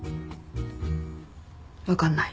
わかんない。